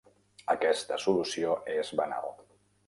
Aquesta solució és banal.